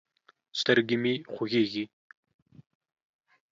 سترګې مې خوږېږي.